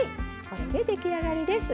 これで出来上がりです。